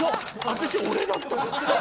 私俺だったの？